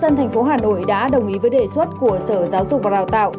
ubnd tp hà nội đã đồng ý với đề xuất của sở giáo dục và đào tạo